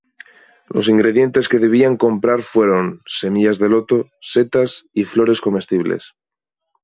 Los ingredientes que debían comprar fueron: semillas de loto, setas y flores comestibles.